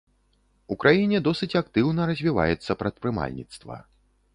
У краіне досыць актыўна развіваецца прадпрымальніцтва.